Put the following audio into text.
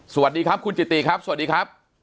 สวัสดีครับคุณจิติครับสวัสดีครับ